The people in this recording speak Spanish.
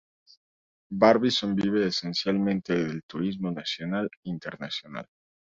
Barbizon vive esencialmente del turismo nacional e internacional.